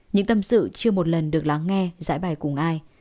những tâm sự chưa một lần được lắng nghe giải bài cùng ai